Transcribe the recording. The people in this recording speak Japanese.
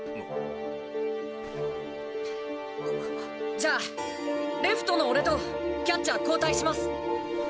じゃあレフトの俺とキャッチャー交代します。